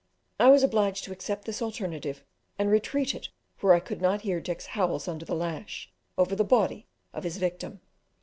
I was obliged to accept this alternative, and retreated where I could not hear Dick's howls under the lash, over the body of his victim.